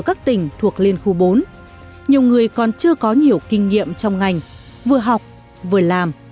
các tỉnh thuộc liên khu bốn nhiều người còn chưa có nhiều kinh nghiệm trong ngành vừa học vừa làm